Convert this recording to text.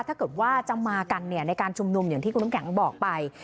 ถ้าเกิดว่าจะมากันในการชุมนุมอย่างที่คุณน้ำแข็งบอกไป